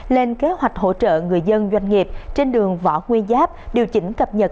lên kế hoạch hỗ trợ người dân doanh nghiệp trên đường võ nguyên giáp điều chỉnh cập nhật